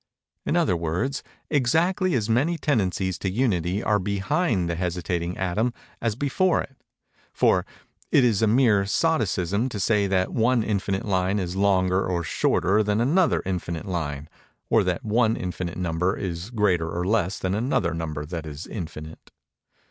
In other words, exactly as many tendencies to Unity are behind the hesitating atom as before it; for it is a mere sotticism to say that one infinite line is longer or shorter than another infinite line, or that one infinite number is greater or less than another number that is infinite.